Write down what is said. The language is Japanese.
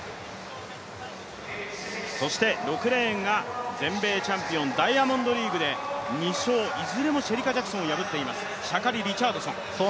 そして６レーンが全米チャンピオン、ダイヤモンドリーグで２勝いずれもシェリカ・ジャクソンを破っています、シャカリ・リチャードソン。